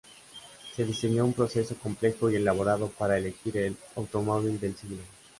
Se diseñó un proceso complejo y elaborado para elegir al "Automóvil del siglo".